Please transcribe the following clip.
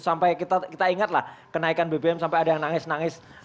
sampai kita ingatlah kenaikan bbm sampai ada yang nangis nangis